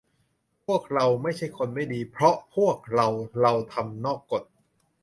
พวกเราไม่ใช่คนไม่ดีเพราะพวกเราเราทำนอกกฏ